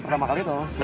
pertama kali tahu